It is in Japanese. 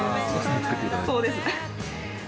そうです。